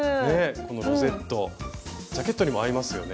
このロゼットジャケットにも合いますよね。